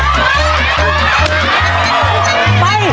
ไปไป